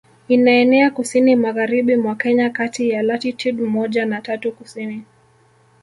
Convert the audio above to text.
Inaenea kusini magharibi mwa Kenya kati ya latitude moja na tatu Kusini